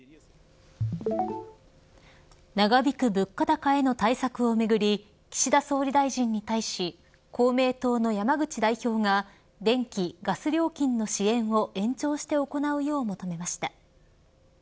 長引く物価高への対策をめぐり岸田総理大臣に対し公明党の山口代表が電気・ガス料金の支援を延長して行うよう求めました。